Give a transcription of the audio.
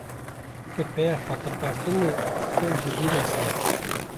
Xutbeya Xatirxwestinê tev ji bîra kirin.